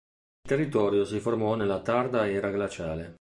Il territorio si formò nella tarda era glaciale.